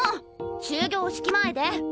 終業式前で！